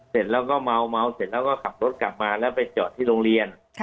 เสร็จแล้วก็เมาเสร็จแล้วก็ขับรถกลับมาแล้วไปจอดที่โรงเรียน